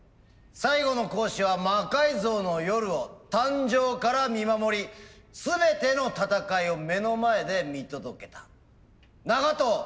最後の講師は「魔改造の夜」を誕生から見守り全ての戦いを目の前で見届けた長藤圭介講師だ。